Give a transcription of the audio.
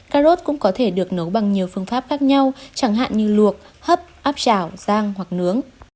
cà rốt cũng có thể được nấu bằng nhiều phương pháp khác nhau chẳng hạn như luộc hấp áp chảo giang hoặc nướng